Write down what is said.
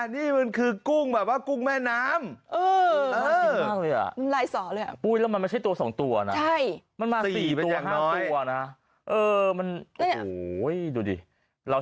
นี่มันคือกุ้งแบบว่ากุ้งแม่น้ำ